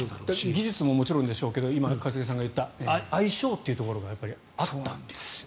技術ももちろんでしょうけど今、一茂さんが言った相性も合ったんですね。